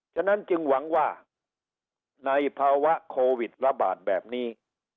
ฉะนั้นจึงหวังว่าในภาวะโควิดระบาดแบบนี้